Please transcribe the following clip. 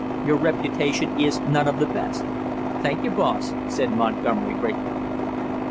Your reputation is none of the best." "Thank you, boss!" said Montgomery gratefully.